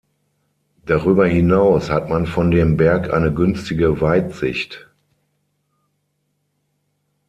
Darüber hinaus hat man von dem Berg eine günstige Weitsicht.